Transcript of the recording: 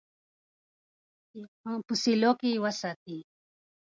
په سیلو کې یې وساتي.